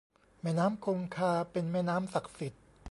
แม่น้ำคงคา เป็นแม่น้ำศักดิ์สิทธิ์